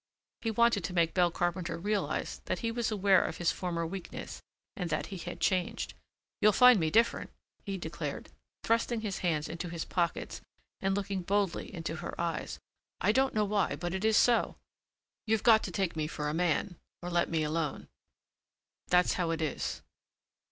He wanted to make Belle Carpenter realize that he was aware of his former weakness and that he had changed. "You'll find me different," he declared, thrusting his hands into his pockets and looking boldly into her eyes. "I don't know why but it is so. You've got to take me for a man or let me alone. That's how it is."